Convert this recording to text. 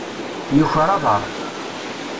Yuker aḍaṛ.